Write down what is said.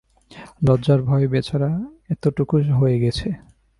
লজ্জায় ভয়ে বেচারা এতটুকু হয়ে গেছে।